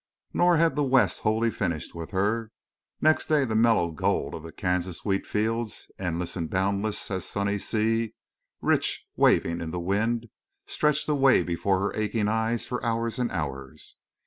Nor had the West wholly finished with her. Next day the mellow gold of the Kansas wheat fields, endless and boundless as a sunny sea, rich, waving in the wind, stretched away before her aching eyes for hours and hours.